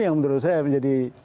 yang menurut saya menjadi